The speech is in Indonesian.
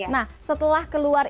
nah setelah keluar